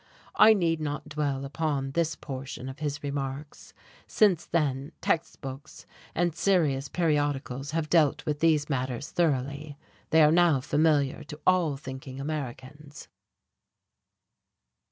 I need not dwell upon this portion of his remarks. Since then text books and serious periodicals have dealt with these matters thoroughly. They are now familiar to all thinking Americans.